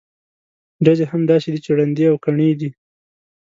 ډزې هم داسې دي چې ړندې او کڼې دي.